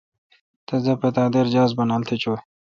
تس دا پتا دے جہاز بانال تھ چویں ۔